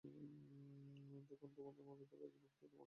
তখন আমাদের গোত্রের এক ব্যক্তি তার পরিবার পরিজন নিয়ে হীরায় চলে গেল।